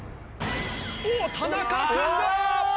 おっ田仲君だ！